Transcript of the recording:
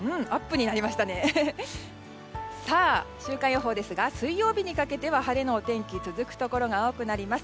週間予報ですが水曜日にかけては晴れのお天気が続くところが多くなります。